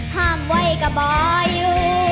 ห้ามไว้กับอายุ